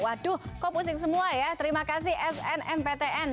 waduh kok pusing semua ya terima kasih snmptn